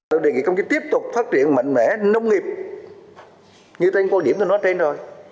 tôi đề nghị công chức tiếp tục phát triển mạnh mẽ nông nghiệp như tên câu điểm tôi nói trên rồi